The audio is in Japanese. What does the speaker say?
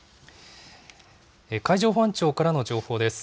海上保安庁からの情報です。